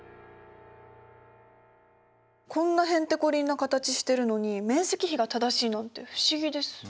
こんなへんてこりんな形してるのに面積比が正しいなんて不思議です。